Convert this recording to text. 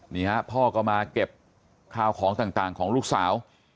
นี่ฮะพ่อก็มาเก็บข้าวของต่างของลูกสาว